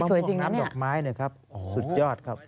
สวยจริงนะเนี่ย